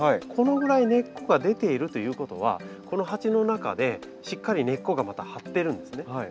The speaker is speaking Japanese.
このぐらい根っこが出ているということはこの鉢の中でしっかり根っこがまた張ってるんですね。